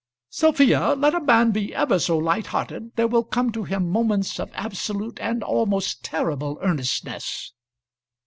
"Sophia, let a man be ever so light hearted, there will come to him moments of absolute and almost terrible earnestness."